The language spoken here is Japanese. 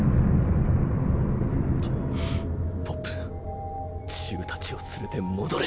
ポップチウたちをつれて戻れ。